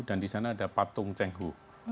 dan disana ada patung cenghu